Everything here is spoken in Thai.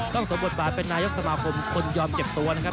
กรุงสมบทเป็นนายกสมภพคนยอมเจ็บตัวนะครับ